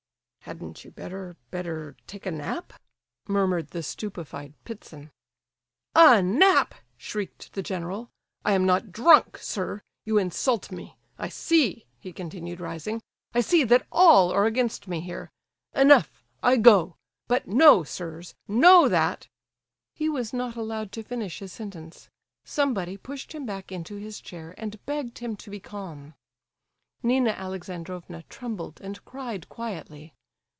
"Hadn't you better—better—take a nap?" murmured the stupefied Ptitsin. "A nap?" shrieked the general. "I am not drunk, sir; you insult me! I see," he continued, rising, "I see that all are against me here. Enough—I go; but know, sirs—know that—" He was not allowed to finish his sentence. Somebody pushed him back into his chair, and begged him to be calm. Nina Alexandrovna trembled, and cried quietly.